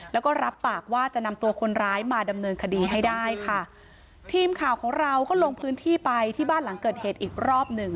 แล้วก็รับปากว่าจะนำตัวคนร้ายมาดำเนินคดีให้ได้ค่ะทีมข่าวของเราก็ลงพื้นที่ไปที่บ้านหลังเกิดเหตุอีกรอบหนึ่ง